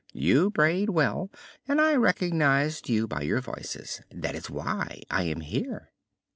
You brayed well, and I recognized you by your voices. That is why I am here."